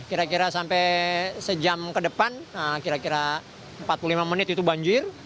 kira kira sampai sejam ke depan kira kira empat puluh lima menit itu banjir